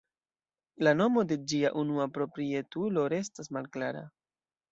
La nomo de ĝia unua proprietulo restas malklara.